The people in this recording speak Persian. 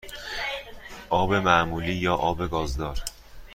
آب معمولی یا آب گازدار؟